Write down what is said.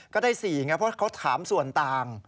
ก็ได้๔ไงเพราะเขาถามส่วนต่าง